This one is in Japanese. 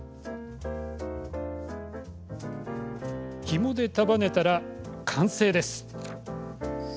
ひもで束ねたら完成です。